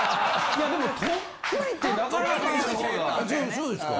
そうですか？